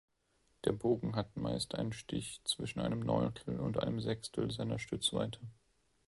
Der Bogen hat meist einen Stich zwischen einem Neuntel und einem Sechstel seiner Stützweite.